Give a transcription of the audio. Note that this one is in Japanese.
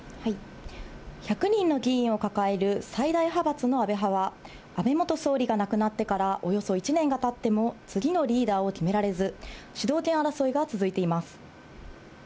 １００人の議員を抱える最大派閥の安倍派は、安倍元総理が亡くなってからおよそ１年がたっても、次のリーダーを決められず、主導権争いが続いています。